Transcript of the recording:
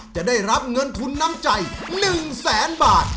จะได้รับเงินทุนน้ำใจ๑แสนบาท